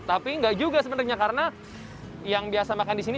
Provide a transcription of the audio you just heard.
tapi enggak juga sebenarnya karena yang biasa makan di sini